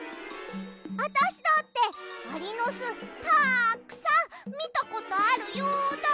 あたしだってアリのすたくさんみたことあるよだ！